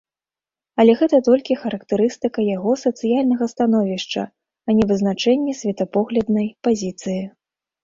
Але гэта толькі характарыстыка яго сацыяльнага становішча, а не вызначэнне светапогляднай пазіцыі.